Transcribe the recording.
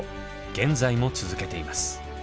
現在も続けています。